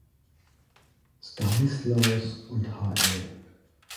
Stanislaus und Hl.